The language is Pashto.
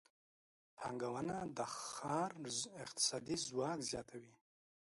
پانګونه د ښار اقتصادي ځواک زیاتوي.